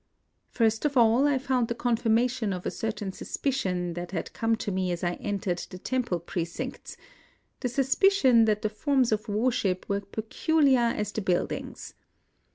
First of all, I found the confirmation of a certain suspicion that had come to me as I entered the temple precincts, — the suspicion that the forms of worship were peculiar as the IN OSAKA 157 buildings.